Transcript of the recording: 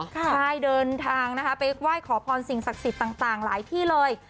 ใช่เดินทางนะคะไปไหว้ขอพรสิ่งศักดิ์สิทธิ์ต่างหลายที่เลย